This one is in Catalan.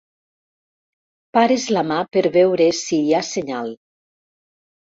Pares la mà per veure si hi ha senyal.